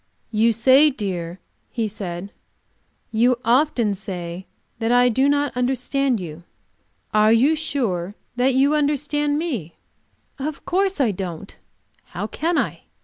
"You say, dear," he said, "you often say, that I do not understand you. Are you sure that you understand me?" Of course I don't. How can I?